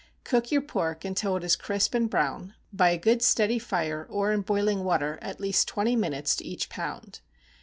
Cook your pork until it is crisp and brown, by a good, steady fire, or in boiling water, at least twenty minutes to each pound.